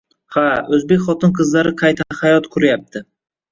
Ha, o‘zbek xotin-qizlari qayta hayot quryapti.